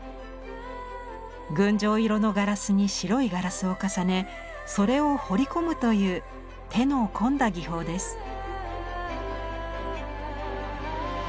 群青色のガラスに白いガラスを重ねそれを彫り込むという手の込んだ技法です。